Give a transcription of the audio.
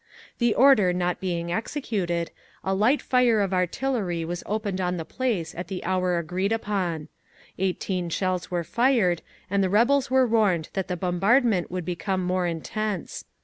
"The order not being executed, a light fire of artillery was opened on the place at the hour agreed upon. Eighteen shells were fired, and the rebels were warned that the bombardment would become more intense.